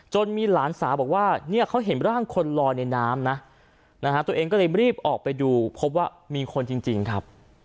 มีหลานสาวบอกว่าเนี่ยเขาเห็นร่างคนลอยในน้ำนะตัวเองก็เลยรีบออกไปดูพบว่ามีคนจริงครับ